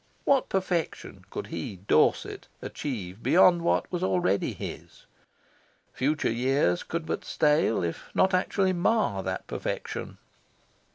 What perfection could he, Dorset, achieve beyond what was already his? Future years could but stale, if not actually mar, that perfection.